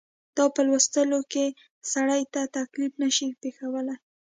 دا په لوستلو کې سړي ته تکلیف نه شي پېښولای.